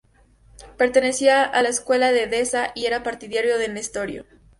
Pertenecía a Escuela de Edesa y era partidario de Nestorio.